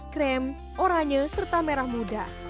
krem oranye serta merah muda